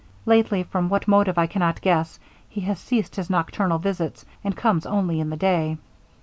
Lately, from what motive I cannot guess, he has ceased his nocturnal visits, and comes only in the day.